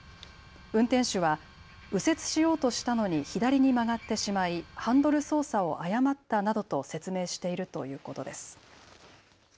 運転手は右折しようとしたのに左に曲がってしまいハンドル操作を誤ったなどと説明しているということです。